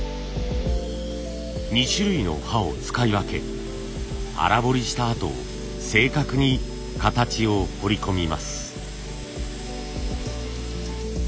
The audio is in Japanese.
２種類の刃を使い分け粗彫りしたあと正確に形を彫り込みます。